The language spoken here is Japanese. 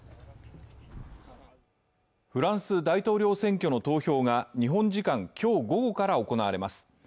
フランス大統領選挙の投票が日本時間、今日午後から行われます